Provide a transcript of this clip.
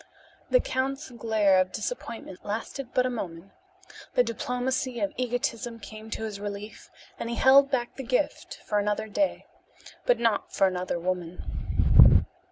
The count's glare of disappointment lasted but a moment. The diplomacy of egotism came to his relief, and he held back the gift for another day, but not for another woman.